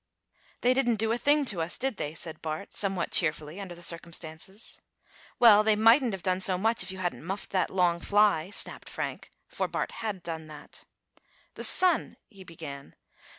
"They didn't do a thing to us, did they?" said Bart, somewhat cheerfully under the circumstances. "Well, they mightn't have done so much if you hadn't muffed that long fly," snapped Frank, for Bart had done that. "The sun " he began.